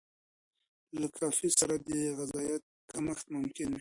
له کافي سره د غذایت کمښت ممکن وي.